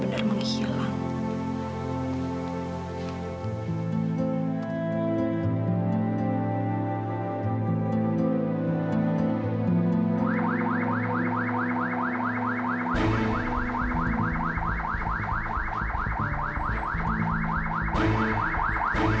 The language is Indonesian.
aku akan menimbil akan sekali hampir